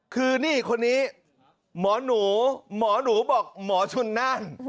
คือนี้หมอหนูบอกหมอชนาน